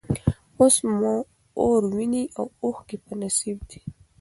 اوس مو اور، ویني او اوښکي په نصیب دي